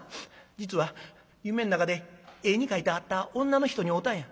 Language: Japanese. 「実は夢ん中で絵に描いてあった女の人に会うたんや。